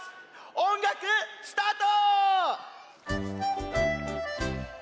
おんがくスタート！